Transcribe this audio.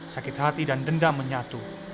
sakit hati dan dendam menyatu